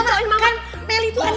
duduk bebe duduk